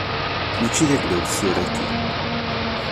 Mačči d ayla-w tisura-yi.